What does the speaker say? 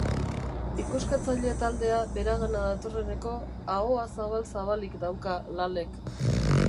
Ikuskatzaile taldea beragana datorreneko, ahoa zabal-zabalik dauka Lalek.